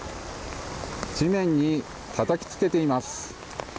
地面にたたきつけています。